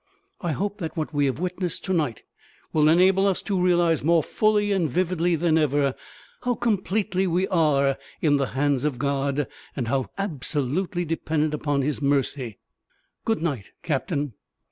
I hope that what we have witnessed to night will enable us to realise more fully and vividly than ever, how completely we are in the hands of God, and how absolutely dependent upon His mercy. Good night, captain!"